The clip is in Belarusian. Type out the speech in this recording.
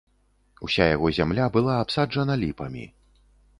Уся яго зямля была абсаджана ліпамі.